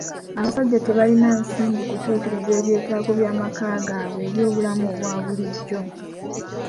Abasajja tebalina nsimbi kutuukiriza eby'etaago by'amaka gaabwe eby'obulamu obwa bulijjo.